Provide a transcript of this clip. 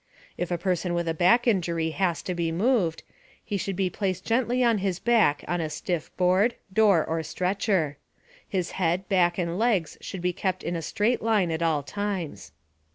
If a person with a back injury has to be moved, he should be placed gently on his back on a stiff board, door or stretcher. His head, back, and legs should be kept in a straight line at all times.